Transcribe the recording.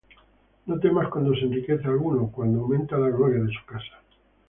No temas cuando se enriquece alguno, Cuando aumenta la gloria de su casa;